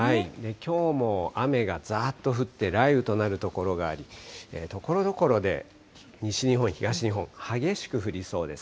きょうも雨がざーっと降って、雷雨となる所があり、ところどころで西日本、東日本、激しく降りそうです。